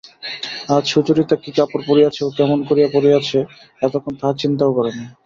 আজ সুচরিতা কী কাপড় পরিয়াছে ও কেমন করিয়া পরিয়াছে এতক্ষণ তাহা চিন্তাও করে নাই।